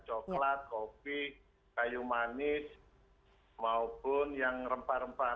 coklat kopi kayu manis maupun yang rempah rempah